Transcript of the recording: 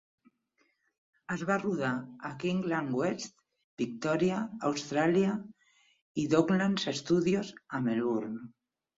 Es va rodar a Kinglake West, Victoria, Austràlia i Docklands Studios a Melbourne.